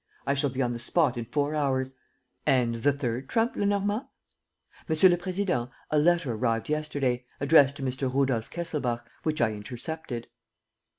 I shall be on the spot in four hours." "And the third trump, Lenormand?" "Monsieur le Président, a letter arrived yesterday, addressed to Mr. Rudolf Kesselbach, which I intercepted.